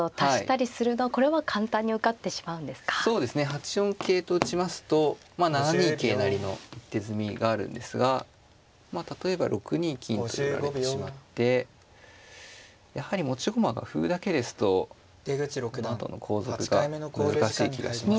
８四桂と打ちますと７二桂成の一手詰めがあるんですが例えば６二金と寄られてしまってやはり持ち駒が歩だけですとそのあとの後続が難しい気がしますね。